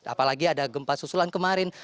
apalagi ada gempa susulan kemarin